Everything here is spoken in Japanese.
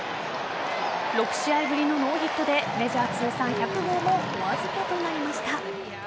６試合ぶりのノーヒットでメジャー通算１００号もお預けとなりました。